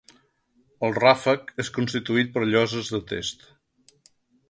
El ràfec és constituït per lloses de test.